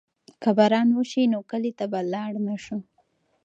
که باران وشي نو کلي ته به لاړ نه شو.